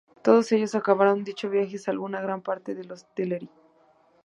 Todos ellos acabaron dicho viaje salvo una gran parte de los Teleri.